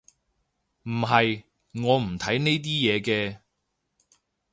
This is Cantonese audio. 唔係，我唔睇呢啲嘅